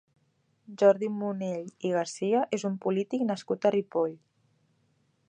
Jordi Munell i Garcia és un polític nascut a Ripoll.